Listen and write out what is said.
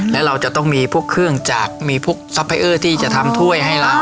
และเราจะต้องมีพวกเครื่องจักรมีพวกซอยเออร์ที่จะทำถ้วยให้เรา